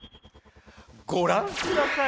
ごらんください！